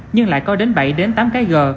nhưng lại có đến bảy tám cái g